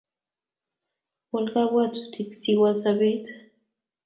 Wal kabwabutik si Wal sobet